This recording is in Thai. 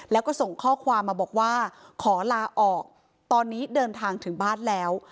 แล้วก็ส่งข้อความมาบอกว่าขอลาออกตอนนี้เดินทางถึงบ้านแล้ว